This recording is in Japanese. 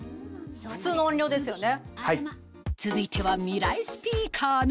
普通の音量ですよね。